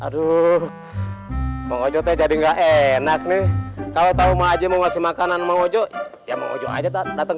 aduh mau jodoh jadi enak nih kalau tahu maji mau kasih makanan mau jok ya mau aja datang